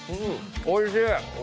おいしい。